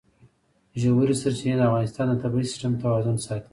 ژورې سرچینې د افغانستان د طبعي سیسټم توازن ساتي.